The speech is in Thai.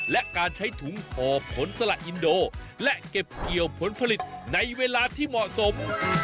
และการใช้ถุงห่อผลสละอินโดและเก็บเกี่ยวผลผลิตในเวลาที่เหมาะสม